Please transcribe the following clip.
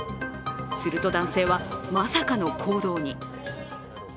すると男性は、まさかの行動に。